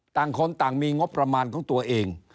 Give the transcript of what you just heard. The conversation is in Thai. ต่างคนต่างมีงบประมาณของตัวเอง